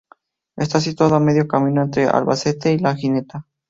Está situado a medio camino entre Albacete y La Gineta.